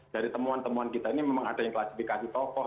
dari temuan temuan kita ini memang ada yang klasifikasi tokoh